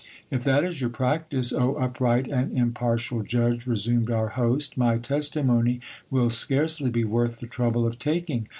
If that is your practice, O upright and im partial judge, resumed our host, my testimony will scarcely be worth the trouble of taking.